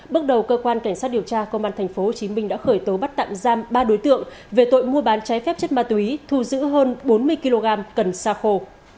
bước đầu cơ quan cảnh sát điều tra công an tp hcm đã khởi tố bắt tạm giam ba đối tượng về tội mua bán trái phép chất ma túy thu giữ hơn bốn mươi kg cần xa khô